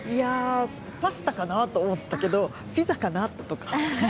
パスタかなと思ったけど、ピザかなとか。